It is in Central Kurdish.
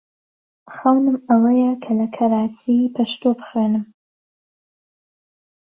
خەونم ئەوەیە کە لە کەراچی پەشتۆ بخوێنم.